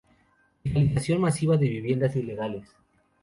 legalización masiva de viviendas ilegales